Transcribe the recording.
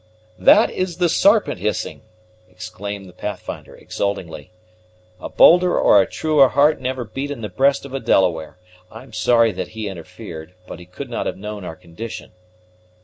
"That is the Sarpent hissing!" exclaimed the Pathfinder exultingly. "A bolder or a truer heart never beat in the breast of a Delaware. I am sorry that he interfered; but he could not have known our condition."